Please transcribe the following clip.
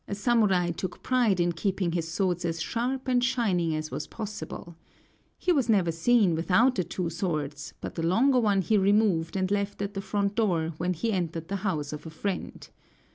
A samurai took pride in keeping his swords as sharp and shining as was possible. He was never seen without the two swords, but the longer one he removed and left at the front door when he entered the house of a friend.